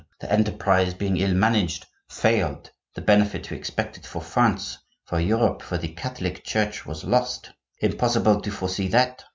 'The enterprise, being ill managed, failed; the benefit we expected for France, for Europe, for the Catholic Church was lost. Impossible to foresee that.